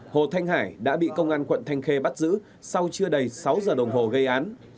hồ thanh hải đã bị công an quận thanh khê bắt giữ sau chưa đầy sáu giờ đồng hồ gây án